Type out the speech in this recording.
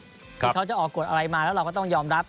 เขาก็มีสิทธิ์ที่เขาจะออกกดอะไรมาแล้วเราก็ต้องยอมรับ